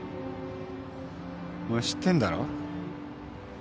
お前知ってんだろ？